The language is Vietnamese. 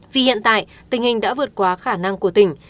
vì hiện tại tình hình đã vượt qua khả năng của tỉnh